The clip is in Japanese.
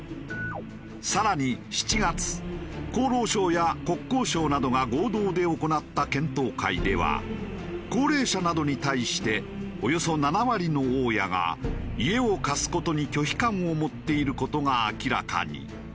更に７月厚労省や国交省などが合同で行った検討会では高齢者などに対しておよそ７割の大家が家を貸す事に拒否感を持っている事が明らかに。